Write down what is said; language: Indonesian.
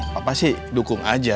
papa sih dukung aja